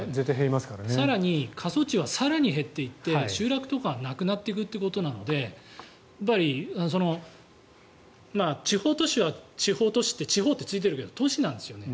更に過疎地は更に減っていって集落とかがなくなっていくということなのでやっぱり地方都市は地方ってついてるけど都市なんですよね。